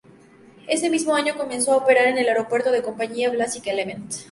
Ese mismo año comenzó a operar en el aeropuerto la compañía Basic Element.